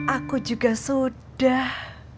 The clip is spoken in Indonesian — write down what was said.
aku juga sudah